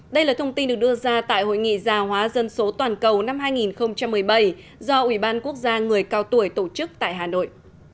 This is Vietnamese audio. đây là thông tin được đưa ra tại hội nghị gia hóa dân số toàn cầu năm hai nghìn một mươi bảy do ủy ban quốc gia người cao tuổi tổ chức tại hà nội